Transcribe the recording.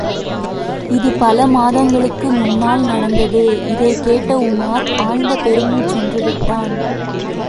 இது பல மாதங்களுக்கு முன்னால் நடந்தது. இதைக் கேட்ட உமார் ஆழ்ந்த பெருமூச்சொன்று விட்டான்.